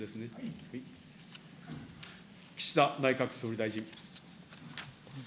岸田内閣総理大臣。